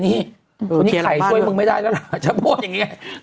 คนนี้ไข่ช่วยมึงไม่ได้แล้วล่ะ